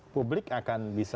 publik akan bisa